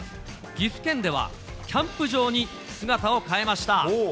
岐阜県では、キャンプ場に姿を変えました。